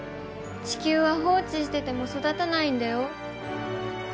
地球は放置してても育たないんだよ。